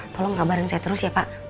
tolong kabarin saya terus ya pak